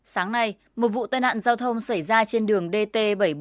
sáng nay một vụ tai nạn giao thông xảy ra trên đường dt bảy trăm bốn mươi bảy